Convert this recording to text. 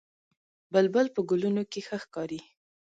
بلبل په ګلونو کې ښه ښکاري